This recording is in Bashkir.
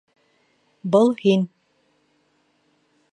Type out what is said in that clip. Был һин.